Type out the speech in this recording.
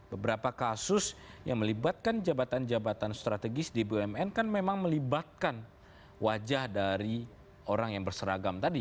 beberapa kasus yang melibatkan jabatan jabatan strategis di bumn kan memang melibatkan wajah dari orang yang berseragam tadi